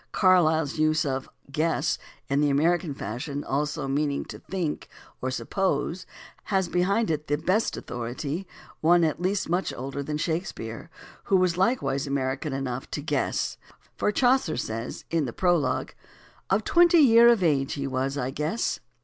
Carlyle's use of "guess" in the American fashion also, as meaning to "think" or "suppose," has behind it the best authority — one at least much older than Shakespeare, who was likewise American enough "to guess"; for Chaucer says, in the Prologue (I, 82), "Of twenty yeer of age, he was, I gesse."